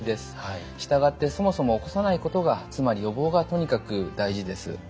従ってそもそも起こさないことがつまり予防がとにかく大事です。